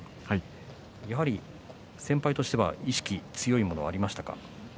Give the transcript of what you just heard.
やはり先輩としては意識、強いものがありましたか？